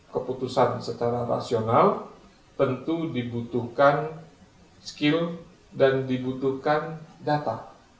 keputusan secara rasional tentu dibutuhkan skill dan dibutuhkan data